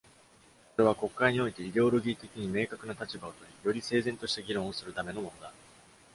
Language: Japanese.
これは、国会においてイデオロギー的に明確な立場を取り、より整然とした議論をするためのものだ。